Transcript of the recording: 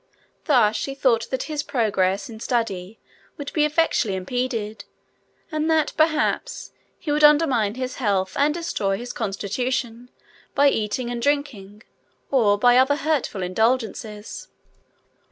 Thus she thought that his progress in study would be effectually impeded, and that, perhaps, he would undermine his health and destroy his constitution by eating and drinking, or by other hurtful indulgences.